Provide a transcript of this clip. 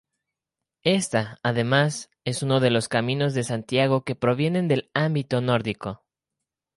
Esta, además, es uno de los Caminos de Santiago que provienen del ámbito nórdico.